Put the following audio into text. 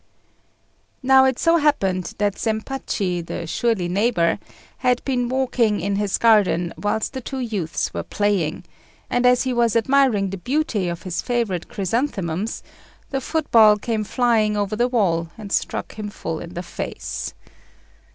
Now it so happened that Zempachi, the surly neighbour, had been walking in his garden whilst the two youths were playing; and as he was admiring the beauty of his favourite chrysanthemums, the football came flying over the wall and struck him full in the face.